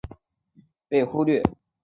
作品间的设定冲突经常被忽略。